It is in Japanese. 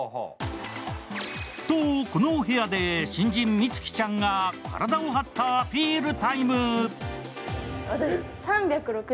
このお部屋で新人・美月ちゃんが体を張ったアピールＴＩＭＥ。